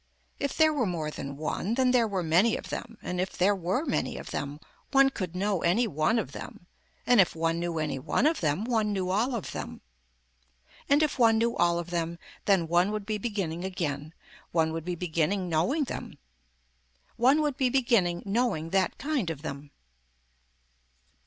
If there were more than one then there were many of them and if there were many of them one could know any one of them and if one knew any one of them one knew all of them. And if one knew all of them then one would be beginning again, one would be beginning knowing them. One would be beginning knowing that kind of them.